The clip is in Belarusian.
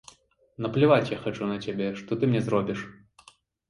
Напляваць я хачу на цябе, што ты мне зробіш?